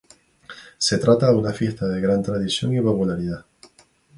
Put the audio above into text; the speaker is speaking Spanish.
Se trata de una fiesta de gran tradición y popularidad.